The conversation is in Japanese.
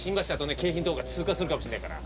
京浜東北が通過するかもしれないから。